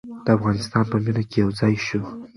د افغانستان په مینه کې یو ځای شو.